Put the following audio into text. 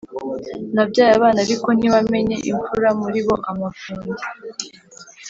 Nabyaye abana ariko ntiwamenya imfura muri bo-Amafundi.